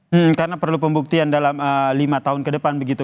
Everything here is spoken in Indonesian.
hmm karena perlu pembuktian dalam lima tahun ke depan begitu